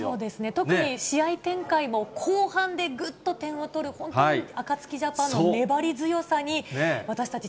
特に試合展開も後半でぐっと点を取る、本当にアカツキジャパンの粘り強さに、私たち、